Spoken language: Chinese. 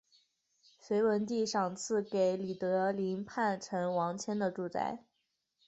隋文帝赏赐给李德林叛臣王谦的住宅。